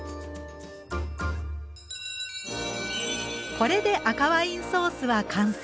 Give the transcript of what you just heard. これで赤ワインソースは完成。